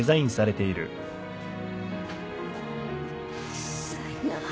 うっさいな。